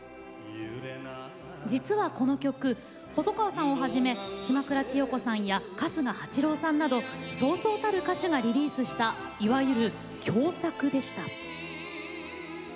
実はこの曲、細川さんをはじめ島倉千代子さんや春日八郎さんなどそうそうたる歌手がリリースしたいわゆる競作でした。